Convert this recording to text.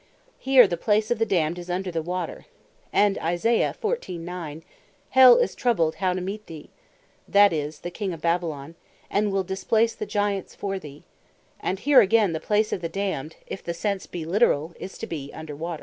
Here the place of the Damned, is under the water. And Isaiah 14.9. "Hell is troubled how to meet thee," (that is, the King of Babylon) "and will displace the Giants for thee:" and here again the place of the Damned, (if the sense be literall,) is to be under water.